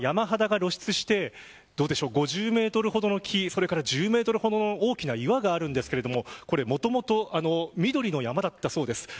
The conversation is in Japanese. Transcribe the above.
今、山肌が露出して５０メートルほどの木１０メートルほどの大きな岩がありますがこれ、もともと緑の山だったそうです。